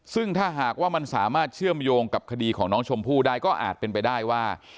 ซึ่งถ้าหากว่ามันสามารถเชื่อมโยงกับคดีของน้องชมพู่ได้ก็อาจเป็นไปได้ว่า